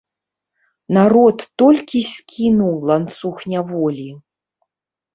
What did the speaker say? Народ толькі скінуў ланцуг няволі.